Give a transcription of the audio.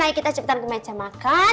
ayo kita cuptar ke meja makan